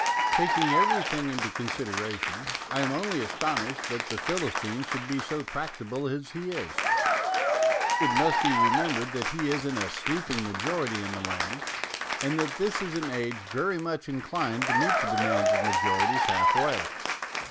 Taking everything into consideration, I am only astonished that the Philistine should be so tractable as he is. It must be remem bered that he is in a sweeping majority in the land, and that this is an age very much inclined to meet the demands of majorities half way.